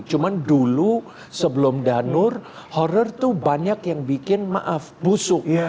cuma dulu sebelum danur horror tuh banyak yang bikin maaf busuk